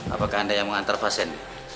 apakah anda yang mengantar pasien